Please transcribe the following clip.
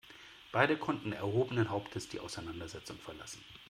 Beide konnten erhobenen Hauptes die Auseinandersetzung verlassen.